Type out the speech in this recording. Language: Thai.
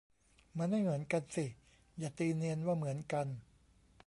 มันไม่เหมือนกันสิ อย่าตีเนียนว่าเหมือนกัน